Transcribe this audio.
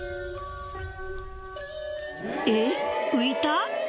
えっ浮いた？